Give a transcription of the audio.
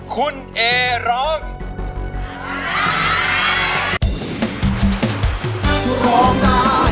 คุณเอร้อง